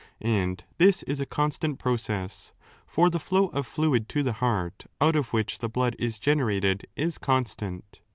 And this is a constant process, for the flow of fluid to the heart, out of which the blood is generated, is constant.